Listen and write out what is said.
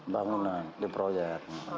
bangunan di proyek